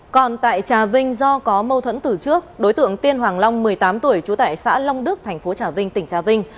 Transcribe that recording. còn tại trà vinh do có mâu thuẫn từ trước đối tượng tiên hoàng long một mươi tám tuổi trú tại xã long đức thành phố trà vinh tỉnh trà vinh